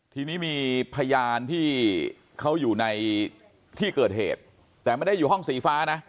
ทีนี้มีพยานที่เขาอยู่ในที่เกิดเหตุแต่ไม่ได้อยู่ห้องสีฟ้านะ